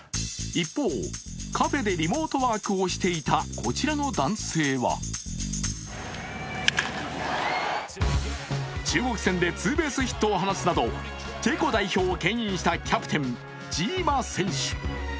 一方、カフェでリモートワークをしていたこちらの男性は中国戦でツーベースヒットを放つなどチェコ代表をけん引したキャプテン・ジーマ選手。